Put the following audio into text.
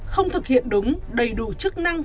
không thực hiện đúng đầy đủ chức năng